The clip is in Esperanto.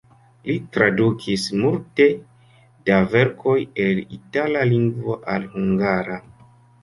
Li tradukis multe da verkoj el itala lingvo al hungara.